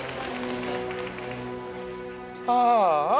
ああ。